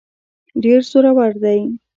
ډېر زورور دی.